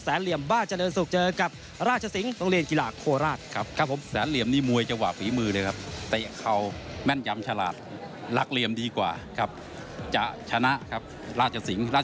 แสนเหลี่ยมปลาเจริญสุขเจอกับราชสิงศ์โรงเรียนกีฬาโคราช